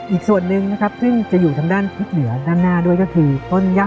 อีกส่วนหนึ่งนะครับซึ่งจะอยู่ทางด้านทิศเหนือด้านหน้าด้วยก็คือต้นย่ำ